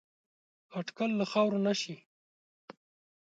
اټکل له خاورو نه شي